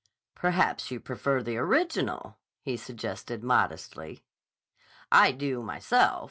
"Perhaps you prefer the original," he suggested modestly. "I do, myself.